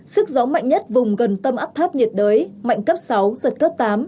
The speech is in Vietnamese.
sức gió mạnh nhất vùng gần tâm áp thấp nhiệt đới mạnh cấp sáu giật cấp tám